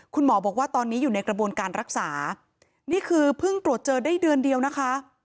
คุณหมอบอกว่าตอนนี้อยู่ในกระบวนการรักษานี่คือเพิ่งตรวจเจอได้เดือนเดียวนะคะ